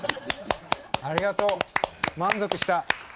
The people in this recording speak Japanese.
ありがとう満足した。